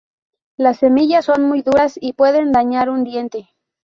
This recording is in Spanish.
Las semillas son muy duras y pueden dañar un diente.